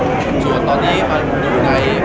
มุมการก็แจ้งแล้วเข้ากลับมานะครับ